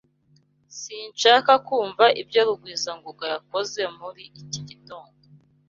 Sinshaka kumva ibyo Rugwizangoga yakoze muri iki gitondo.